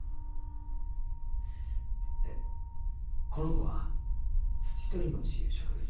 この子はツチトリモチゆう植物で。